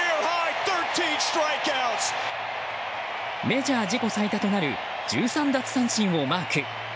メジャー自己最多となる１３奪三振をマーク。